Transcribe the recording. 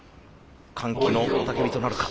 歓喜の雄たけびとなるか。